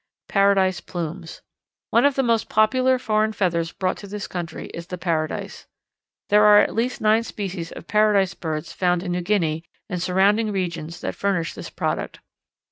Paradise Plumes One of the most popular foreign feathers brought to this country is the Paradise. There are at least nine species of Paradise Birds found in New Guinea and surrounding regions that furnish this product.